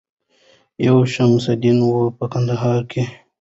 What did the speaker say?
یو شمس الدین وم په کندهار کي